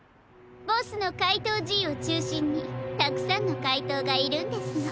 ボスのかいとうＧをちゅうしんにたくさんのかいとうがいるんですの。